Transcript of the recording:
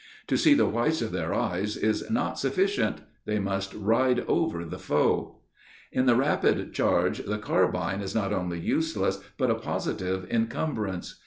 To see the whites of their eyes is not sufficient; they must ride over the foe. In the rapid charge the carbine is not only useless, but a positive incumbrance.